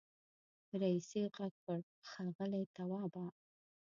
رئيسې غږ کړ ښاغلی توابه.